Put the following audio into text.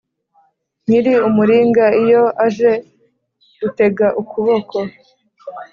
nyiri umuringa iyo aje utega ukuboko